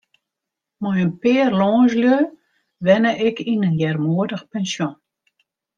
Mei in pear lânslju wenne ik yn in earmoedich pensjon.